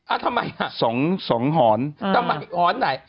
อะทำไมล่ะ